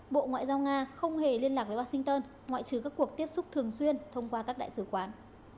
bộ ngoại giao nga không hề liên lạc với washington ngoại trừ các cuộc tiếp xúc thường xuyên thông qua các đại sứ quán